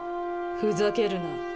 ふざけるな。